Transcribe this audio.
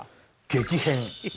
激変。